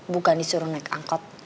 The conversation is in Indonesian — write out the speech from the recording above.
bukan disuruh naik angkot